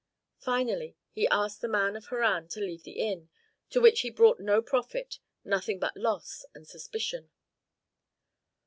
Finally he asked the man of Harran to leave the inn, to which he brought no profit, nothing but loss and suspicion.